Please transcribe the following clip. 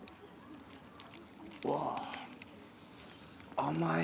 うわ甘い。